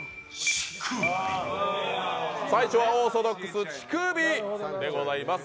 最初はオーソドックス乳首でございます。